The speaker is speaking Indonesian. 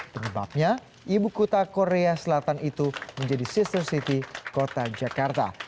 penyebabnya ibu kota korea selatan itu menjadi sister city kota jakarta